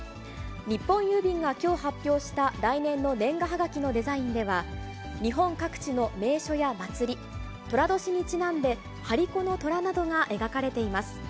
日本郵便がきょう発表した来年の年賀はがきのデザインでは、日本各地の名所や祭り、とら年にちなんで張り子の虎などが描かれています。